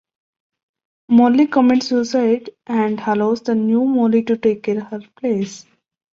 Molly commits suicide and allows the new molly to take her place.